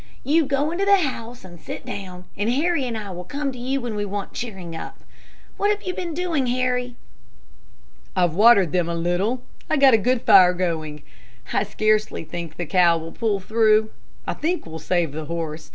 "You go into the house and sit down, and Harry and I will come to you when we want cheering up. What have you been doing, Harry?" "I've watered them a little, and got a good fire going. I scarcely think the cow will pull through. I think we'll save the horse.